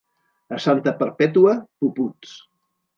A Santa Perpètua, puputs.